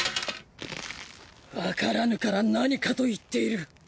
わからぬから「何か」と言っている。